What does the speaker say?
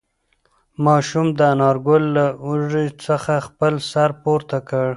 ماشوم د انارګل له اوږې څخه خپل سر پورته کړ.